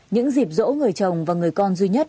những dịp dỗ người chồng và người con duy nhất